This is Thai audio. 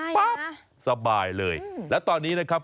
ปั๊บสบายเลยแล้วตอนนี้นะครับ